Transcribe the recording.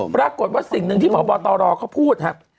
ปรากฏว่าสิ่งหนึ่งที่หมอบตรเขาพูดครับ